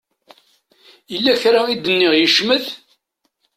Yella kra i d-nniɣ yecmet?